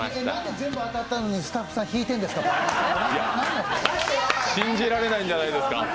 なんで全員当たったのに、スタッフさん、引いてるんですか？